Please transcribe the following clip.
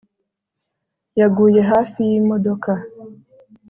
Yaguye hafi yimodoka